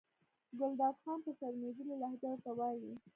ګلداد خان په شرمېدلې لهجه ورته وایي.